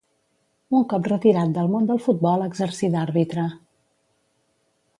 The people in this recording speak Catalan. Un cop retirat del món del futbol exercí d'àrbitre.